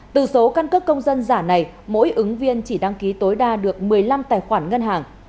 từ số căn cấp công dân giả này mỗi ứng viên chỉ đăng ký tối đa được một mươi năm tài khoản ngân hàng